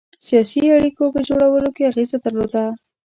د سیاسي اړېکو په جوړولو کې اغېزه درلوده.